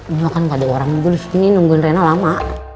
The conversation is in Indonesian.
ini kan gak ada orang gue disini nungguin rena lama